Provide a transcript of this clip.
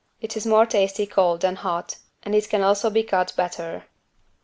It is more tasty cold than hot, and it can also be cut better.